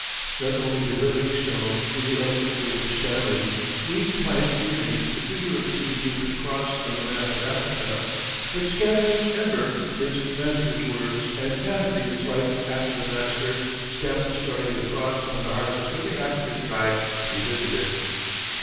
Not only did Livingstone, in the eloquent words of Stanley, "weave by his journeys the figure of his Redeemer's cross on the map of Africa, but, scattering ever his Master's words and patterning his life after the Master stamped the story of the cross on the hearts of every African tribe he visited."